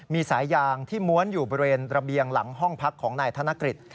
มีสายยางที่ม้วนอยู่บริเวณระเบียงหลังห้องพักของนายธนกฤษ